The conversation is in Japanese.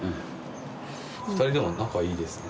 ２人仲いいですね。